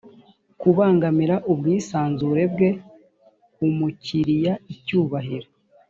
kubangamira ubwisanzure bwe ku mukiriya icyubahiro